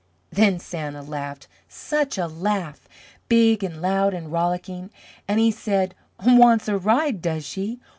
Then Santa laughed, SUCH a laugh, big and loud and rollicking, and he said, "Wants a ride, does she?